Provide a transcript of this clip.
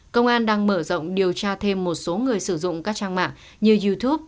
công an đang mở rộng điều tra thêm một số người sử dụng các trang mạng như youtube